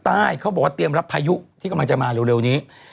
เขาบอกว่าเตรียมรับพายุที่กำลังจะมาเร็วนี้